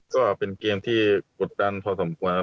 ก็เป็นเกมที่กดดันพอสมควรครับ